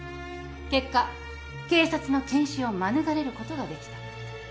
結果警察の検視を免れることができた。